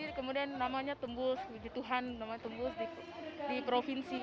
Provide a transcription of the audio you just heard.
dari seleksi kemudian namanya tembus puji tuhan namanya tembus di provinsi